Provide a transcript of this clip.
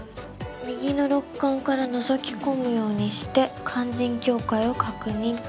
右の肋間からのぞき込むようにして肝腎境界を確認と。